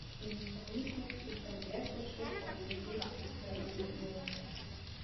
Dieses Grünbuch ist ein erster Schritt auf dem Weg zu dieser Revision.